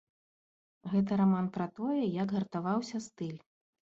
Гэта раман пра тое, як гартаваўся стыль.